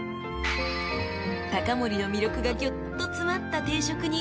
［高森の魅力がギュッと詰まった定食に］